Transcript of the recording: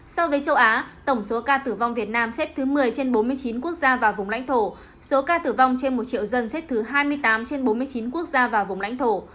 so với châu á tổng số ca tử vong việt nam xếp thứ một mươi trên bốn mươi chín quốc gia và vùng lãnh thổ số ca tử vong trên một triệu dân xếp thứ hai mươi tám trên bốn mươi chín quốc gia và vùng lãnh thổ